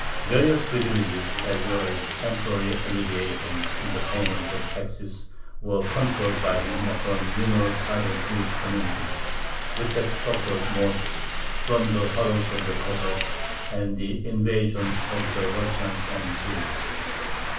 Various privileges, as well as temporary alleviations in the payment of taxes, were conferred by him upon numerous other Jewish communities which had suffered most from the horrors of the Cossacks and the invasions of the Russians and Swedes.